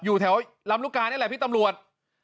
อยู่แถวลำลูกกานี่แหละพี่ตำรวจ